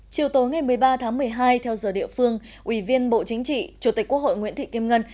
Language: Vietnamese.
chiều tối ngày một mươi ba tháng một mươi hai theo giờ địa phương ủy viên bộ chính trị chủ tịch quốc hội nguyễn thị kim ngân